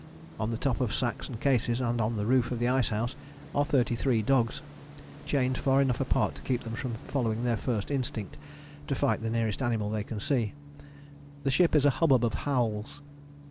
On the top of sacks and cases, and on the roof of the ice house are thirty three dogs, chained far enough apart to keep them from following their first instinct to fight the nearest animal they can see: the ship is a hubbub of howls.